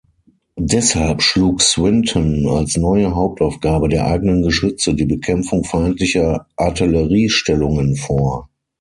Deshalb schlug Swinton als neue Hauptaufgabe der eigenen Geschütze die Bekämpfung feindlicher Artilleriestellungen vor.